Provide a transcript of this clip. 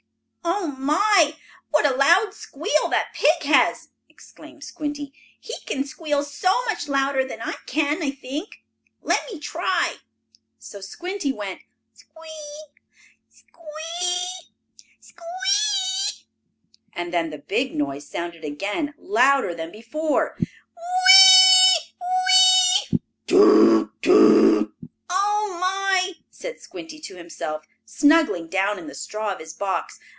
"Oh my! what a loud squeal that pig has!" exclaimed Squinty. "He can squeal much louder than I can, I think. Let me try." So Squinty went: "Squee! Squee! Squee!" And then the big noise sounded again, louder than before: "Whee! Whee! Toot! Toot!" "Oh my!" said Squinty to himself, snuggling down in the straw of his box.